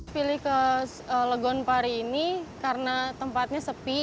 pilih ke legon pari ini karena tempatnya sepi